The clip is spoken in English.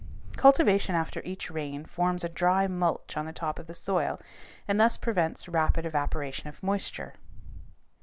Cultivation after each rain forms a dry mulch on the top of the soil and thus prevents rapid evaporation of moisture.